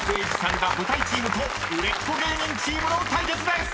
ら舞台チームと売れっ子芸人チームの対決です］